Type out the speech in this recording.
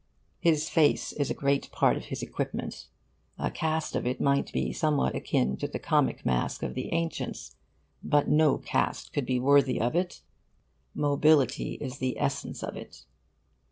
His face is a great part of his equipment. A cast of it might be somewhat akin to the comic mask of the ancients; but no cast could be worthy of it; mobility is the essence of it.